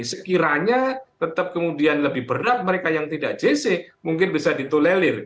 sekiranya tetap kemudian lebih berat mereka yang tidak jc mungkin bisa ditulelir